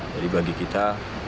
jadi bagi kita disiplin